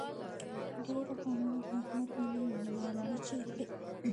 ډېرو غمونو د احمد وينې ور وچې کړې.